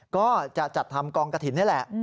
ก็จะจัดทำกองกระถิ่นนี่แหละ